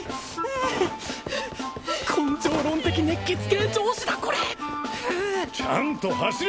根性論的熱血系上司だこれちゃんと走れ！